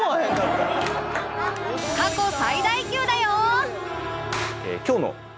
過去最大級だよ！